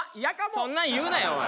そんなん言うなよおい。